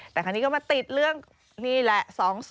แต่คราวนี้ก็มาติดเรื่องนี่แหละ๒๐